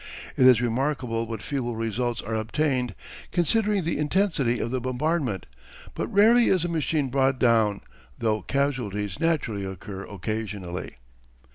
It is remarkable what feeble results are obtained considering the intensity of the bombardment, but rarely is a machine brought down, though casualties naturally occur occasionally.